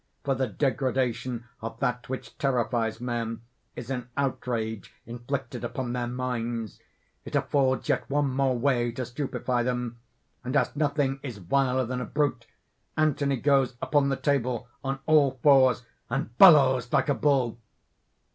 For the degradation of that which terrifies men is an outrage inflicted upon their minds it affords yet one more way to stupefy them; and as nothing is viler than a brute, Anthony goes upon the table on all fours, and bellows like a bull.